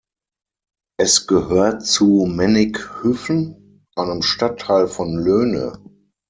Es gehört zu Mennighüffen, einem Stadtteil von Löhne.